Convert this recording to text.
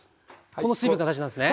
この水分が大事なんですね。